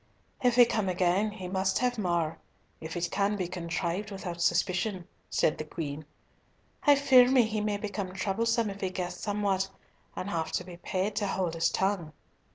"If he come again, he must have more, if it can be contrived without suspicion," said the Queen. "I fear me he may become troublesome if he guess somewhat, and have to be paid to hold his tongue."